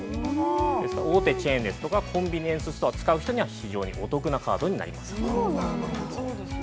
ですから、大手チェーンですとか、コンビニエンスストアを使う人には非常にお得なカードになります。